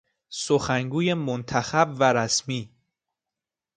سخنگوی منتخب و رسمی